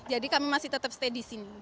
jadi kami masih tetap stay di sini